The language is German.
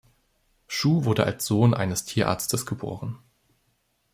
Schuh wurde als Sohn eines Tierarztes geboren.